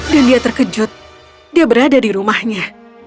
dan dia terkejut dia berada di rumahnya